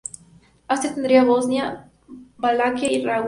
Austria tendría Bosnia, Valaquia y Ragusa.